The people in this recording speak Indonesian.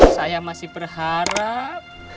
saya masih berharap